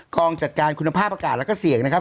กองจัดการคุณภาพอากาศและเศียร์นะครับ